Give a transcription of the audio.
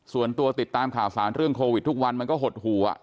ส่วนตัวติดตามข่าวสารเรื่องโควิดทุกวันมันก็หดหู